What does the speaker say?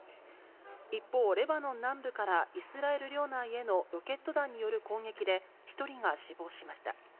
一方、レバノン南部からイスラエル領内へのロケット弾による攻撃で１人が死亡しました。